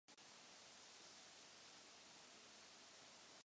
Jedná se o šestou postavenou jednotku této třídy.